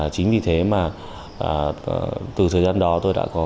chính vì thế mà tôi đã có một thời gian làm trong ngành xuất bản